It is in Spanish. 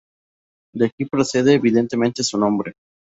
De aquí procede evidentemente su nombre.